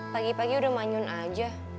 pagi pagi udah manyun aja